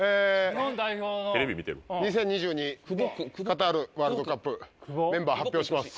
２０２２カタールワールドカップメンバー発表します。